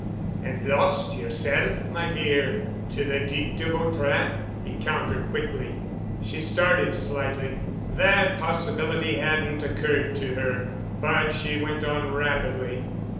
"And lost yerself, my dear, to the Duc de Vautrin," he countered quickly. She started slightly. That possibility hadn't occurred to her. But she went on rapidly.